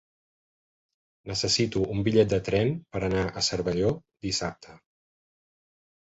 Necessito un bitllet de tren per anar a Cervelló dissabte.